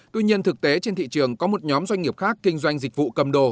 tuy nhiên thực tế trên thị trường có một nhóm doanh nghiệp khác kinh doanh dịch vụ cầm đồ